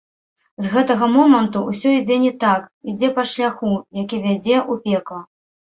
З гэтага моманту ўсё ідзе не так, ідзе па шляху, які вядзе ў пекла.